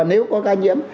nếu có ca nhiễm